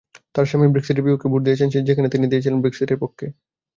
তাঁর স্বামী ব্রেক্সিটের বিপক্ষে ভোট দিয়েছেন, যেখানে তিনি দিয়েছিলেন ব্রেক্সিটের পক্ষে।